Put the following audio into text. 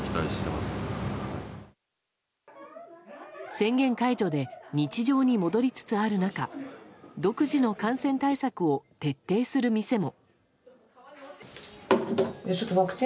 宣言解除で日常に戻りつつある中独自の感染対策を徹底する店も。